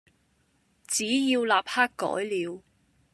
只要立刻改了，